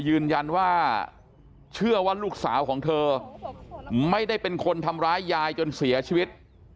ยืนยันว่าเชื่อว่าลูกสาวของเธอไม่ได้เป็นคนทำร้ายยายจนเสียชีวิต